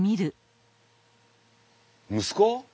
息子？